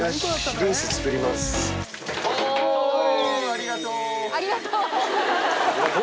ありがとう。